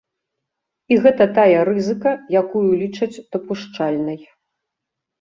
І гэта тая рызыка, якую лічаць дапушчальнай.